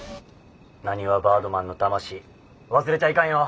なにわバードマンの魂忘れちゃいかんよ！